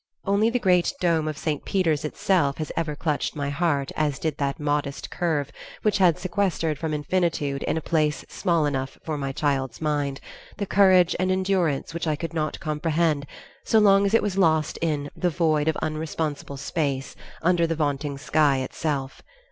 Only the great dome of St. Peter's itself has ever clutched my heart as did that modest curve which had sequestered from infinitude in a place small enough for my child's mind, the courage and endurance which I could not comprehend so long as it was lost in "the void of unresponsible space" under the vaulting sky itself.